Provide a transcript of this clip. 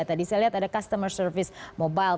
tadi saya lihat ada customer service mobile